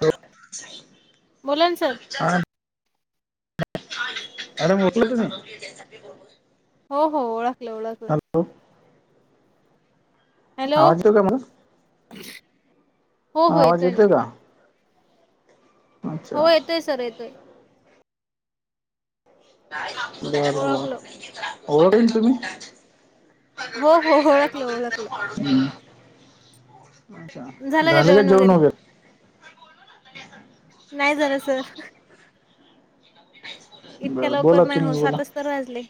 हो बोला ना सर अरे ओ [unintelligible] की मी. [inaudible] हो हो ओळखल ओळख हॅलो. आवाज येतो का माझा? ह. ह आवाज येतोय का? अच्छा हो येतोय सर येतोय. बरं बरं, ओळखलं ओळखलना तुम्ही? हो हो ओळखलं ओळखलं. हम्म अच्छा, झाल का जेऊन वगैरे? नाही झालं सर. इतक्या बरं लवकर बोला नाही हो, तुम्ही बोला सातच तर वाजले.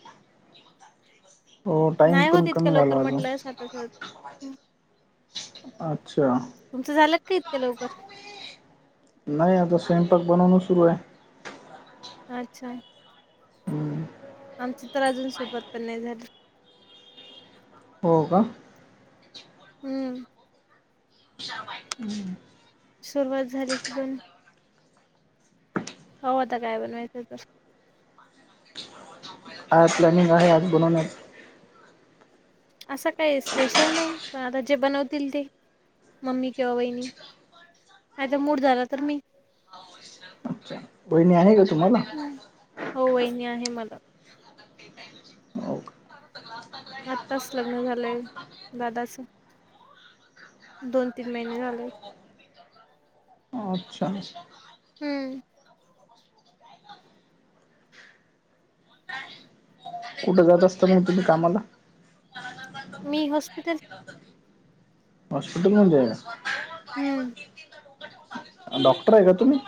हो टाइम नाही पण होत इतक्या कमी लवकर झाला अजून. म्हटलं सातच वाज हं. अच्छा. तुमचं झालं का इतक्या लवकर? नाही आता स्वयंपाक बनवून सुरू आहे. अच्छा. हम्म. आमच तर अजून सुरवात पण नाही झाली. हो का? हम्म. हम्म. सुरुवात झाली की पण, हो आता काय बनवायचं तर. काय प्लॅनिंग आहे आज बनवणार. असं काय स्पेशल नाही, पण आता जे बनवतील ते मम्मी किंवा वहिणी. माझा मूड झाला तर मी. अच्छा बहिणी आहे का तुम्हाला? हं. हो वहिनी आहे मला. हो का आताच लग्न झालंय दादाचं. दोन तीन महिने झाल अच्छा हं. कुठं जात असता मग तुम्ही कामाला? मी हॉस्पिटल हॉस्पिटलमध्ये आहे. हम्म. डॉक्टर आहे का तुम्ही?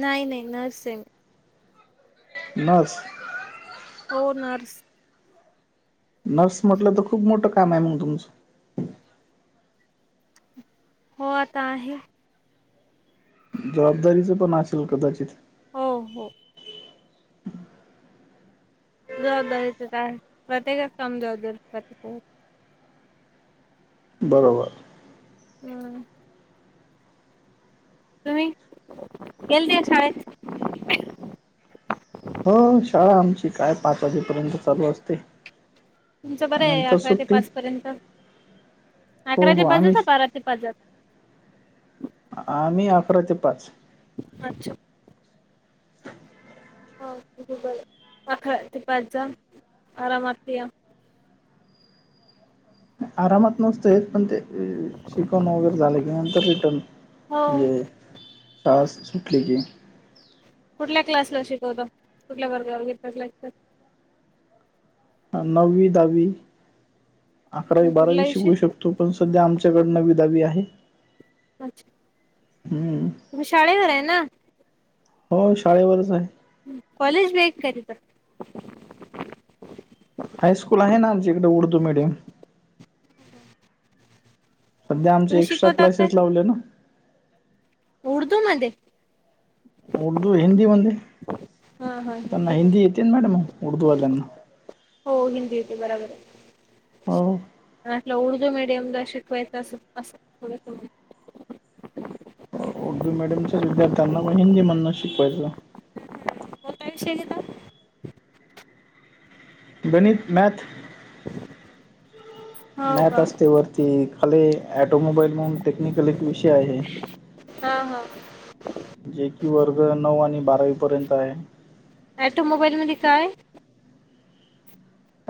नाही नाही नर्स आहे नर्स हो नर्स नर्स म्हटलं तर खूप मोठं काम आहे मग तुमचं. हो आता आहे. जबाबदारीचं पण असेल कदाचित. हो. हो. जबाबदारीचा काय प्रत्येकच काम जबाबदारीच बरोबर. हम्म. तुम्ही गेलते शाळेत. हो शाळा आमची काय पाच वाजेपर्यंत चालू असते. तुमचं बरं आहे नंतर अकरा ते सुट्टी पाच पर्यंत हो अकरा ते हो पाच आम्ही बारा. ते पाजात आम्ही अकरा ते पाच. अच्छा. अकरा ते पाच जा आरामात या. आरामात नसत पण ते शिकवणं वगैरे झालं की नंतर रिटर्न. हो म्हजे [unintelligible] सुटली की कुठल्या क्लासला शिकवता? कुठल्या वर्गावर घेता क्लास नववी दहावी अकरावी बारावी कुठला विषय शिकू शक तो पण सध्या आमच्यागत नवी दावी आहे. हम्म तुम्ही शाळेवर आहे ना? हो शाळेवरच आहे. ह कॉलेज बे करीता हायस्कूल आहे ना आमच्या इकडे उर्दू मिडियम. सध्या आमचे तुम्ही एक्स्ट्रा शिकवता काय क्लासेस लावले ना. उर्दू मध्ये उर्दू हिंदी मध्ये हा हा त्यांना मध्ये हिंदी येतेन मॅडम उर्दूवाल्या ना. हो हिंदी येते बराबर आहे. हो. उर्दू मीडियमला शिकवायचं अस असं थोडं उर्दू मीडियमच्याच विद्यार्थ्यांना त्यांना पण हिंदी मधन शिकवायला. हो काय विषय घेता? गणित मॅथ [inaudible] मॅथ का असते वरती खाली ॲटोमोबाईल म्हणून टेक्निकल एक विषय आहे. हा. हा. जे की वर्ग नऊ आणि बारावी पर्यंत आहे. ॲटोमोबाईल मध्ये काय?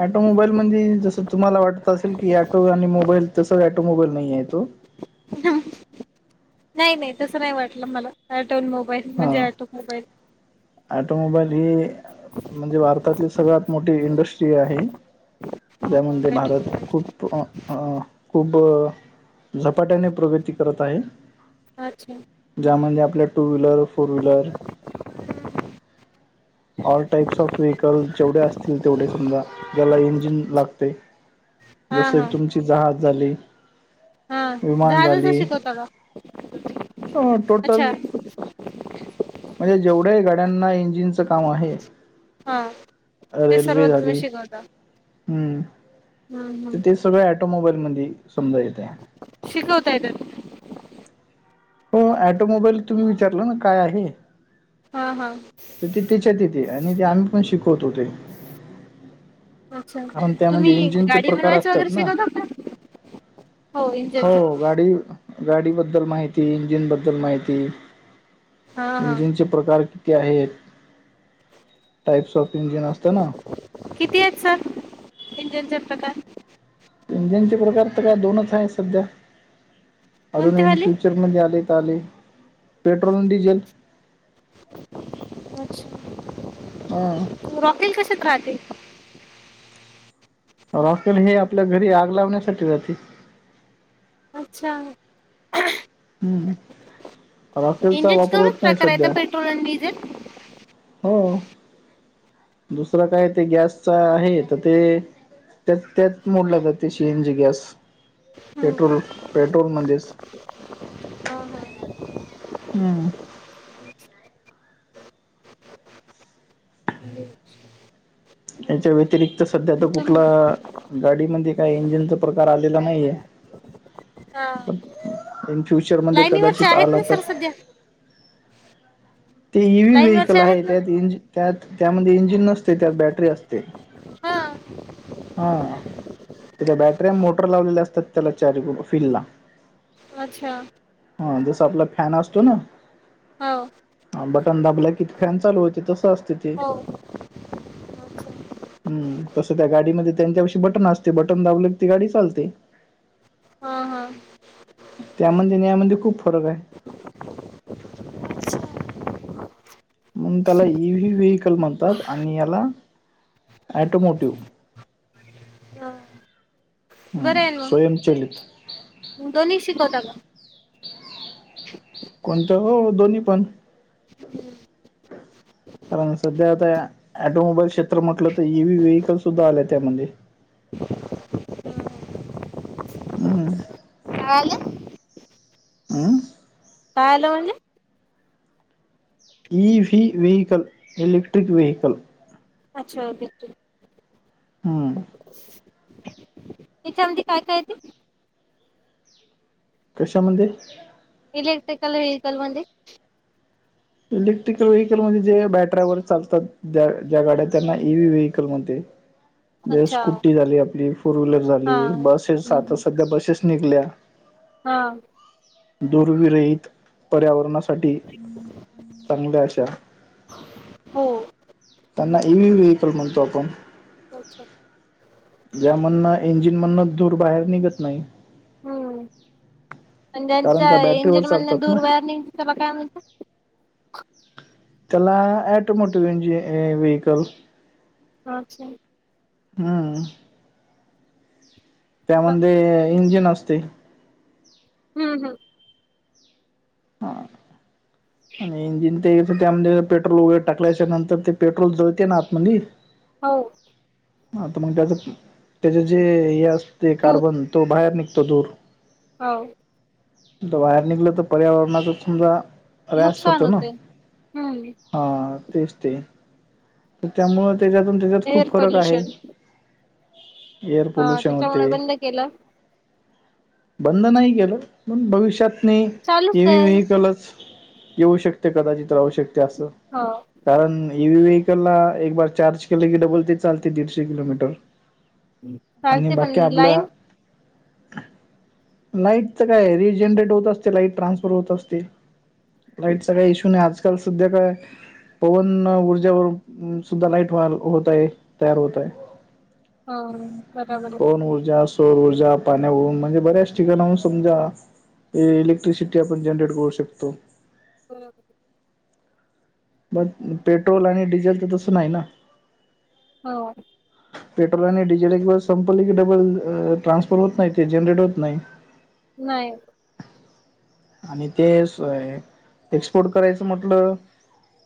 ऑटो मोबाईल म्हणजे जसं तुम्हाला ॲटोमोबाईल म्हणजे जसं, तुम्हाला वाटत असेल की ॲटो आणि मोबाईल तसं ॲटोमोबाईल नाही आहे तो नाही नाही तस नाही वाटलं मला ॲटो आणि मोबाईल म्हणजे ॲटो मोबाईल ॲटोमोबाईल ही म्हणजे भारतातली सर्वात मोठी इंडस्ट्री आहे. हो त्यामध्ये का भारत ऑटोमोबाईल खूप अ अ खूब झपाट्याने प्रगती करत आहे. अच्छा. ज्यामध्ये आपल्या two wheeler, four wheeler all types of vehicle जेवढे असतील तेवढे समजा, ज्याला इंजिन लागते. हा जस हा तुमची जहाज झाली. हा विमान जहाजाचं झाली, शिकवता का अ टोटल अच्छा म्हणजे जेवढ्याही गाड्यांना इंजिनचं काम आहे हां ते सर्व रेल्वे झाली तुम्ही शिकवता. हम्म, हम्म, तर हम्म. तेच सगळं ऑटोमोबाईल मध्ये समजा येतं. शिकवताय तर. हो ॲटोमोबाईल तुम्ही विचारलं ना काय आहे? हां हां. तर ते त्याच्यात येते आणि ते आम्ही पण शिकवतो ते. अच्छा कारण त्यामध्ये तुम्ही इंजिनचे गाडी प्रकार बनवायचं असतात वगैरे ना. शिकवता का? हो इंजनचे हो गाडी गाडी बद्दल माहिती, इंजिन बद्दल माहिती, हा हा इंजिनचे प्रकार ते आहे, टाइप्स ऑफ इंजिन असतं ना किती आहेत सर, इंजनचे प्रकार? इंजनचे प्रकार तर दोनच आहेत सध्या. अजून कोणते इन वाले फ्युचर फ्युचरमध्ये आले त आले, पेट्रोल अन डिझेल. [unintelligible] हां. रॉकेल कशात राहते? रॉकेल हे आपल्या घरी आग लावण्यासाठी राहते. अच्छा [unintelligible] हम्म, राॅकेलचा इंजिनचे वापर दोनच होत नाही प्रकार आहेत सध्या. पेट्रोल आणि डिझेल हो. दुसरं काय ते गॅसच आहे तर ते त्यात त्यात मोडला जाते सी एन जी गॅस, हम्म, पेट्रोल पेट्रोलमध्येच. हा हा. अं. याच्या व्यतिरिक्त सध्या तर तुम कुठला गाडीमध्ये काही इंजिनचा प्रकार आलेला नाहीये. हा. पण इन फ्युचर मध्ये लाईनीवरचे कदाचित आहेत आला ना तर सर सध्या ते ईव्ही व्ही लाईनवरचे इकल आहे आहेत ना त्यात इंजिन त्यात त्यामध्ये इंजिन नसते, त्यात बॅटरी असते. हा हा, तर त्या बॅटऱ्यांना मोटर लावलेले असतात त्याला चारी व्हील ला. अच्छा. हा जसा आपला फॅन असतो ना हाव. हा बटन दाबला की, फॅन चालू होते तसं असते ते. हो हम्म, तसं काय गाडीमध्ये त्यांच्यापशी बटन असते, बटन दाबले की ती गाडी चालते. हा हा त्यामध्ये अन यामध्ये खूप फरक हाय. मग त्याला ईव्हीव्ही इकल म्हणतात आणि याला ॲटोमोटिव्ह. हां. हम्म, स्वयंचलित. दोन्ही शिकवता का? कोणतं हो दोन्ही पण. अं सध्या आता या ऑटोमोबाईल क्षेत्र म्हटलं, तर ईव्ही व्हेइकल सुद्धा आले त्यामध्ये. हम्म. काय आलं? अं. काय आलं म्हणले? EV vehicle electric vehicle. अच्छा. हं. त्याच्यामध्ये काय काय येते? कशामध्ये इलेक्ट्रिकल वेहिकल म्हणजे. इलेक्ट्रिकल वव्हेवीकल म्हणजे बॅटऱ्या वगैरे चालतात? ज्या ज्या गाड्यात त्यांना ईव्ही व्हेवीकल म्हणतेतोय. ज अच्छा स्कुटी झाली आपली फोर व्हीलर हा. झाली, बसेस आता हम्म. सध्या बसेस निघल्या. हा. धूरवीरहित पर्यावरणासाठी चांगल्या अशा. हो. त्यांना एव्ही होईल. प्रूफ म्हणतो आपण. अच्छा. ज्या म्हणनं इंजिन म्हणन धूर बाहेर निघत नाही. हम्म कारण ज्यांच्या त्या बॅटरीवर इंजिन मधन चालतात ना धूर बाहेर निघतो त्याला काय म्हणतात. त्याला एटोमोटिव्हंज व्हहीकल अच्छा. हा. हम्म त्यामध्ये इंजिन असते हम्म हम्म. हा आणि इंजिन. ते त्यामध्ये पेट्रोल वगैरे टाकल्याच्या नंतर ते पेट्रोल जळते आता त्यामध्ये का ओ हा तर मग त्याच त्याचे जे हे असते धूर कार्बन. तो बाहेर निघतो धूर. हो. तो बाहेर निघला तर पर्यावरणाचां समजा. त्रास नुकसान होतो ना. होते हम्म हा तेच ते तर त्यामुळ त्याच्यातून. त्याच्यात खूप एअर फरक आहे पोल्युशन एअर हा पोल्युशन त्याच्यामुळे होते. बंद केलं बंद नाही केलं पण भविष्यातनी. चालूच ही बी आहे वेहिकलच येऊ शकते कदाचित राहू शकते असं हो कारण ए व्हीव्हीकलला एक बार चार्ज केलं की डबल ते चालते दीडशे किलोमीटर. आणि चालते पण बाकी आपल. लाईन लाईटच काय रिजनरेट होत असते, लाईट ट्रान्सफर होत असते लाईटचा काही इशू नाही आजकाल सद्ध्या काय. पवन ऊर्जेवर सुद्धा लाईट व होत आहे तयार होतय. हो बराबर आहे पवन ऊर्जा सौर ऊर्जा पाण्यावरून म्हणजे बऱ्याश ठिकाणाहुन समजा इलेक्ट्रिसिटी आपण जनरेट करू शकतो. बर मग पेट्रोल आणि डिझेल तर तसं नाही ना. हो पेट्रोल आणि डिझेल एकवेळेस संपल डबल ट्रान्सफर होत नाही ते जनरेट होत नाही. नाही आणि ते सोय एक्सपोर्ट करायचं म्हटलं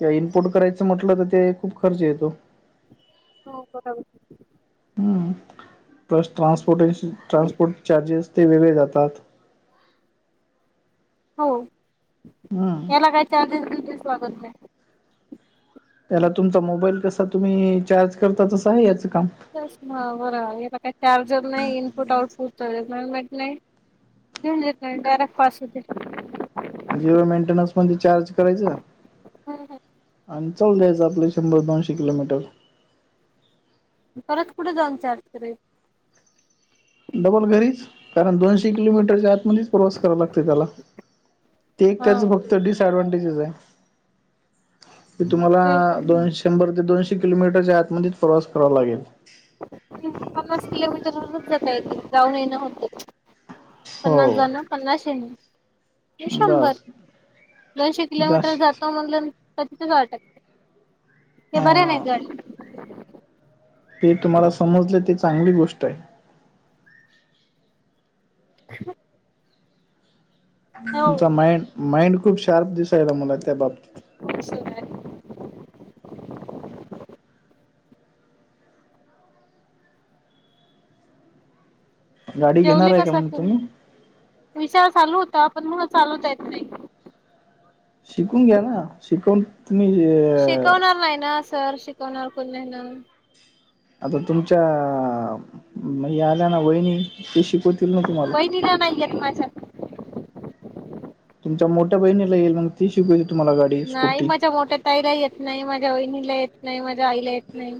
ते इनपुट करायचं म्हटलं तर ते खूप खर्च येतो. हो बराबर. हम्म प्लस ट्रांस्पोर्टेशन ट्रांस्पोर्ट. चार्जेस ते वेगळे जातात. हो हम्म याला काय चार्जेस बिर्जेस लागत नाही. त्याला तुमचा मोबाईल कसा तुम्ही चार्ज करता तसं आहे याचं काम. तच म बरं आहे याला काय चार्जर नाही इनपुट आउटपुट मेट नाही. ती हून देत नाय डायरेक्ट पास होते. जिरो मेंटेनन्स पण रिचार्ज करायचा. हम्म हम्म आणि चालून जायचं आपले शंभर दोनशे किलोमीटर. परत कुठं जाऊन चार्ज करे? डबल घरीच कारण दोनशे किलोमीटरच्या आतमध्येच प्रवास करावा लागते त्याला. ते एक हा त्याच फक्त डिसअडवांटेजस आहे की तुम्हाला ते पण दोनशे शंभर ते दोनशे किलोमीटरच्या आतमध्येत प्रवास कराव लागेल. पन्नास किलोमीटर [unintelligible] जाता येते जाऊन येणं होते. पन्नास हो जाणं पन्नाश येणे. शंभर बस दोनशे किलोमीटर जास्त जातो म्हणलं [unintelligible] अटकते. ते बरं नाही हा गाडी. ते तुम्हाला समजले ते चांगली गोष्ट आहे. [unintelligible] हो तुमचा माइंड माइंड खूप शार्प दिसायला मला त्या बाबती बसू नाय गाडी घेणार जेवली आहे का सर मग तुम्ही विशार चालू होता पण मंग चालवता येत नाही. शिकून घ्या ना शिकून तुम्ही हे शिकवणार नाही ना सर शिकवणार कोण नाही ना. आता तुमच्या म आल्या ना वहिणी ती शिक वहिनीला नाही येत माझा. तुमच्या मोठ्या बहिणीला येईल मंग. ती शिकवते तुम्हाला गाडी. नाही स्कूटी माझ्या मोठ्या ताईला येत नाही, माझ्या वहिणीला येत नाही, माझ्या आईला येत नाही.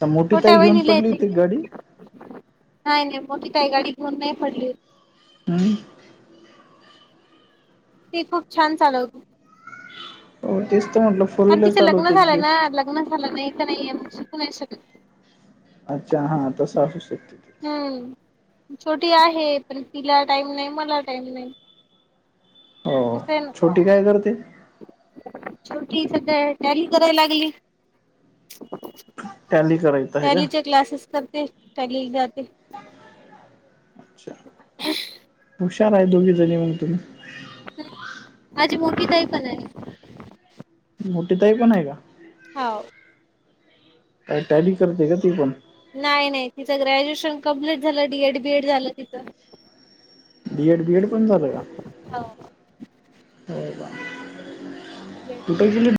तर मोठी छोट्या ताई घेऊन वहिनीला पडली येते. होती गाडी. नाही नाही मोठी ताई गाडी घेऊन नाही पडली हो हम्म. ती खूप छान चालवते. हो तेच तर म्हटलं. फोर आन व्हीलर तिचं लग्न चालवते एक झालंय ना दिवस लग्न झालं नाही तर नाही शिकू नाही शकत. अच्छा हा तसं असू शकते. हम्म छोटी आहे पण तिला टाईम नाही मला टाईम नाही. हो असताय नको छोटी काय करते छोटीचा काय टॅली कराय लागली. टॅली करायचं आहे का टॅलीचे क्लासेस करते टॅली जाते. अच्छा हुशार आहे दोघी जणी मंग तुम्ही. हम्म माझी मोठी ताई पण आहे. मोठी ताई पण आहे का? हाव. काय टॅली करते का ती पण? नाही नाही तिच्या ग्रॅज्युएशन कम्प्लीट झालं डी एड बी एड झालं तिचं. बी एड बी एड पण झालाय का अरे वाह. हो. [unintelligible]